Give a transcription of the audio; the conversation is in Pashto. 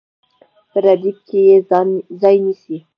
په ردیف کې یې ځای نیسي.